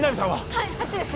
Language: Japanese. はいあっちです